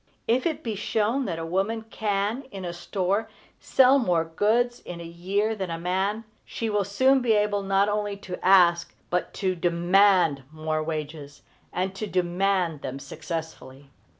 If it be shown that a woman can, in a store, sell more goods in a year than a man, she will soon be able not only to ask but to demand more wages, and to demand them successfully.